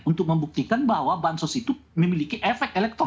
untuk membuktikan bahwa bansos itu memiliki efek elektoral